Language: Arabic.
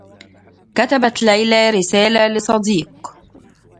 كتبت ليلى رسالة لصديق.